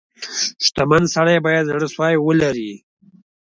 • شتمن سړی باید زړه سوی ولري.